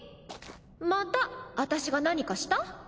また私が何かした？